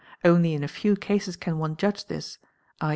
Only in a few cases can one judge this, 2.